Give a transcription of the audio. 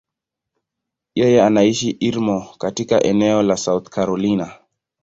Yeye anaishi Irmo, katika eneo la South Carolina.